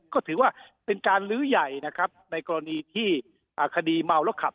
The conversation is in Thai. ก็ถือว่าเป็นการลื้อใหญ่นะครับในกรณีที่คดีเมาแล้วขับ